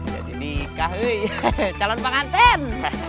jadi nikah calon penganten